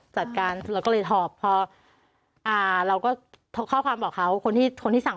จัดการเราก็เลยถอบพออ่าเราก็ข้อความบอกเขาคนที่คนที่สั่ง